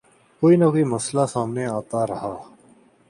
کوئی نہ کوئی مسئلہ سامنے آتا رہا۔